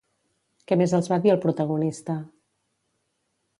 Què més els va dir el protagonista?